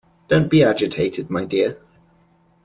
Don't be agitated, my dear.